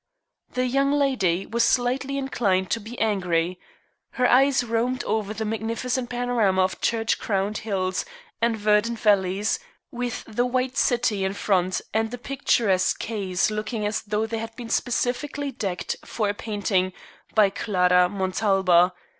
The young lady was slightly inclined to be angry. Her eyes roamed over the magnificent panorama of church crowned hills and verdant valleys, with the white city in front and the picturesque quays looking as though they had been specially decked for a painting by Clara Montalba.